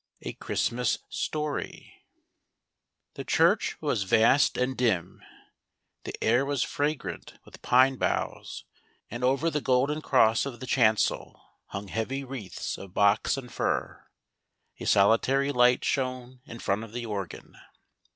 {A Christmas Story,) HE church was vast and dim. The air was fras^rant ^ with pine boughs, and over the golden cross of the chancel hung heavy wreaths of box and fir. A solitary light shone in front of the organ.